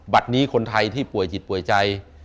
บัตรนี้คนไทยที่ป่วยจิตป่วยใจ